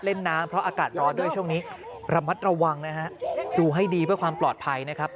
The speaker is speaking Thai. เล่นน้ำเพราะอากาศร้อนด้วยช่วงนี้ระมัดระวังนะฮะดูให้ดีเพื่อความปลอดภัยนะครับ